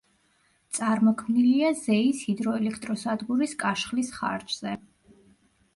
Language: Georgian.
წარმოქმნილია ზეის ჰიდროელექტროსადგურის კაშხლის ხარჯზე.